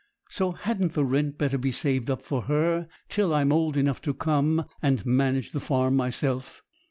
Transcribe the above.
So hadn't the rent better be saved up for her till I'm old enough to come and manage the farm myself?'